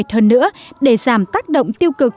hơn nữa để giảm tác động tiêu cực